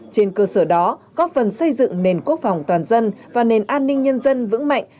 trên cơ sở đó góp phần xây dựng nền quốc phòng toàn dân và nền an ninh nhân dân vững mạnh